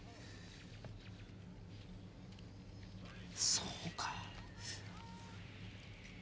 そうか。